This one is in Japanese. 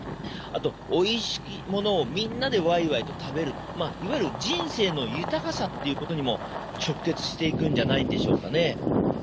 あとおいしい物をみんなでワイワイと食べるいわゆる人生の豊さっていうことにも直結していくんじゃないんでしょうかね。